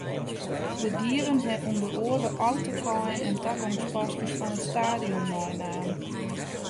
De dieven hawwe ûnder oare autokaaien en tagongspaskes fan it stadion meinaam.